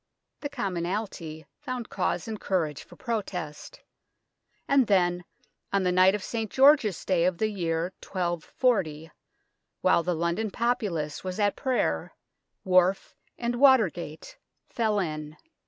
The commonalty found cause and courage for protest ; and then, on the night of St. George's Day of the year 1240, while the London populace was at prayer, wharf and water gate fell in.